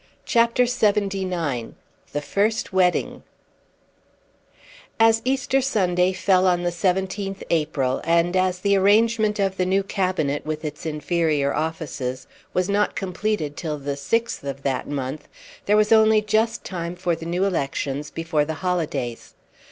CHAPTER LXXIX The First Wedding As Easter Sunday fell on the 17th April, and as the arrangement of the new Cabinet, with its inferior offices, was not completed till the 6th of that month, there was only just time for the new elections before the holidays.